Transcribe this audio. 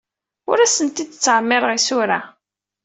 Ur asent-d-ttɛemmiṛeɣ isura.